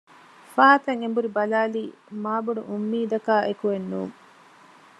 ފަހަތަށް އެނބުރި ބަލާލީ މާ ބޮޑު އުއްމީދަކާ އެކުއެއް ނޫން